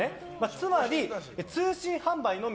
つまり、通信販売のみ。